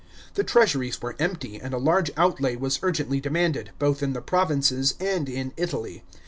The treasuries were empty, and a large outlay was urgently demanded, both in the provinces and in Italy.